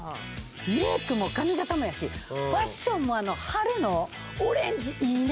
メイクも髪形もやしファッションも春のオレンジいいね。